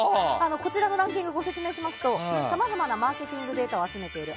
こちらのランキングご説明しますとさまざまなマーケティングデータを集めている